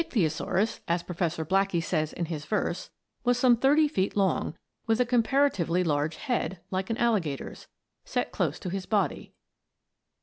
] The Ichthyosaurus, as Professor Blackie says in his verse, was some thirty feet long, with a comparatively large head like an alligator's set close to his body.